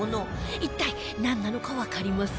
一体、なんなのかわかりますか？